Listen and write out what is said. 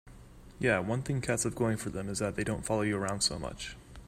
Yeah, one thing cats have going for them is that they don't follow you around so much.